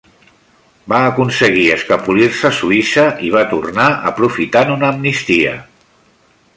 Va aconseguir escapolir-se a Suïssa i va tornar aprofitant una amnistia.